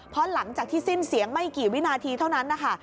เพราะหลังจากที่สิ้นเสียงไม่กี่วินาทีเท่านั้นนะคะ